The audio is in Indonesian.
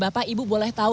bapak ibu boleh tahu